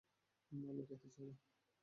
আমি খেতে চাই না।